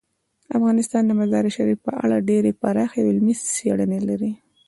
افغانستان د مزارشریف په اړه ډیرې پراخې او علمي څېړنې لري.